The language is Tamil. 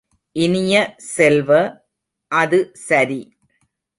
இனிய செல்வ, அது சரி!